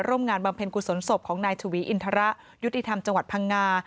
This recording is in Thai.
งานบำเพ็ญกุศลศพของนายชวีอินทรยุติธรรมจังหวัดพังงา